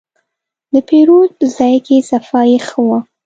د پیرود ځای کې صفایي ښه وه.